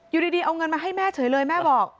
อยู่ดีเอาเงินมาให้แม่เฉยเลยแม่บอก